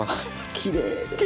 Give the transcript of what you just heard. きれいで。